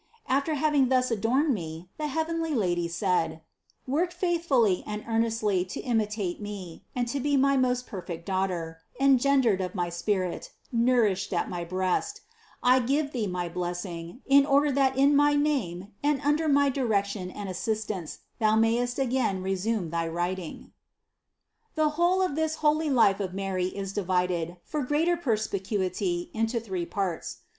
After having thus adorned me, the heavenly Lady said: "Work faithfully and earnestly to imitate me and to be my most perfect daughter, engendered of my spirit, nourished at my breast I give thee my blessing, in order that in my name and under my direction and assist ance thou mayest again resume thy writing." INTRODUCTION 19 18. The whole of this holy life of Mary is divided, for greater perspicuity, into three parts.